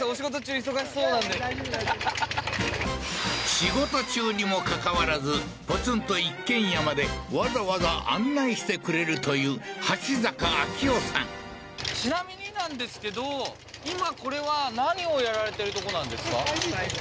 仕事中にもかかわらずポツンと一軒家までわざわざ案内してくれるという端坂秋雄さんちなみになんですけど今これは何をやられてるとこなんですか？